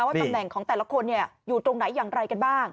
ตำแหน่งของแต่ละคนอยู่ตรงไหนอย่างไรกันบ้าง